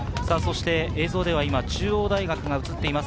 映像では中央大学が映っています。